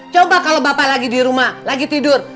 coba kalo bapak lagi dirumah lagi tidur